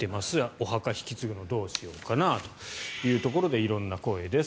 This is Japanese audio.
お墓引き継ぐのどうしようかなというところで色んな声です。